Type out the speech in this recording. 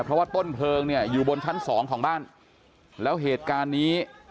เพราะว่าต้นเพลิงเนี่ยอยู่บนชั้นสองของบ้านแล้วเหตุการณ์นี้